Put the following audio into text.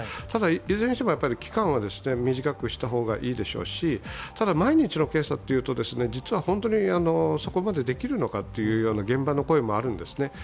ただいずれにしても期間は短くした方がいいでしょうし毎日の検査というと、実はそこまでできるのかという現場の声もあるんですね。